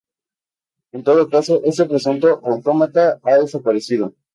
En todo caso, este presunto autómata ha desaparecido.